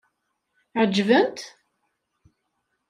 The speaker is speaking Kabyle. Ɛeǧben-tt?